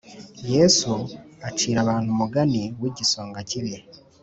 Yesu acira abantu umugani w igisonga kibi